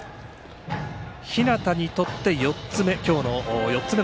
日當にとって４つ目。